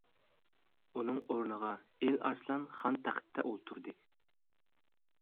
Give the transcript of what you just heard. ئۇنىڭ ئورنىغا ئىل ئارسلان خان تەختتە ئولتۇردى.